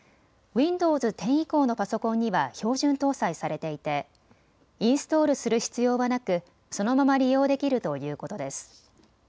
ウィンドウズ１０以降のパソコンには標準搭載されていてインストールする必要はなくそのまま利用できるということです。